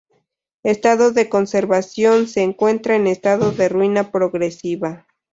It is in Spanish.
Estado de conservación: Se encuentra en estado de ruina progresiva.